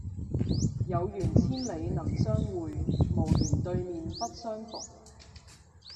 有緣千里能相會，無緣對面不相逢。